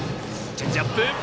チェンジアップ。